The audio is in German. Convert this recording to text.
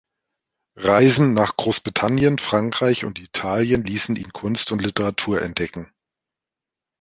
Reisen nach Großbritannien, Frankreich und Italien ließen ihn Kunst und Literatur entdecken.